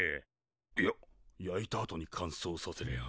いや焼いたあとにかんそうさせりゃあ。